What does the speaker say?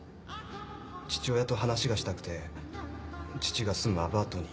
父親と話がしたくて父が住むアパートに。